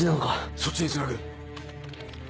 そっちにつなぐ。